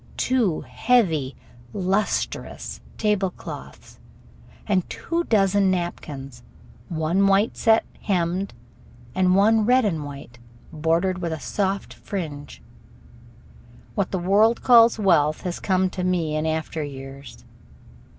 Two heavy, lustrous table cloths and two dozen napkins, one white set hemmed, and one red and white, bordered with a soft fringe. What the world calls wealth has come to me in after years.